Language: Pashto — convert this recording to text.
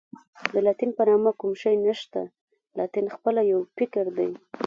د لاتین په نامه کوم شی نشته، لاتین خپله یو فکر دی.